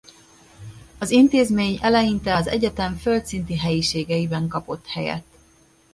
Az intézmény eleinte az egyetem földszinti helyiségeiben kapott helyet.